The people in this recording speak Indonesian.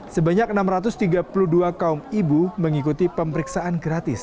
sebanyak enam ratus tiga puluh dua kaum ibu mengikuti pemeriksaan gratis